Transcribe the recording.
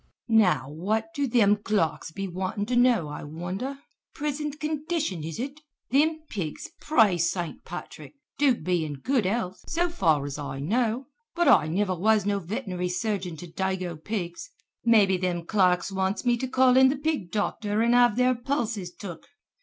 "Now what do thim clerks be wantin' to know, I wonder! 'Prisint condition, 'is ut? Thim pigs, praise St. Patrick, do be in good health, so far as I know, but I niver was no veternairy surgeon to dago pigs. Mebby thim clerks wants me to call in the pig docther an' have their pulses took.